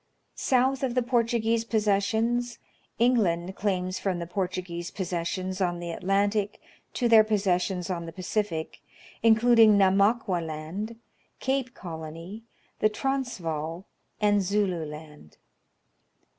South of the Portuguese possessions, England claims from the Portuguese possessions on the Atlantic to their possessions on the Pacific, including Namaqua Land, Cape Colony, the Transvaal, and Zulu Land.